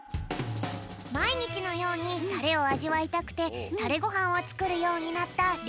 まいにちのようにタレをあじわいたくてタレごはんをつくるようになったりょうたくん。